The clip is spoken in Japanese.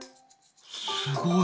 すごい。